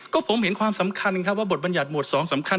ก็ผมเห็นความสำคัญครับว่าบทบรรยัติหมวด๒สำคัญ